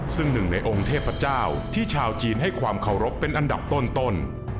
ซึ่งหนึ่งในองค์เทพเจ้าที่ชาวจีนให้ความเคารพเป็นอันดับต้น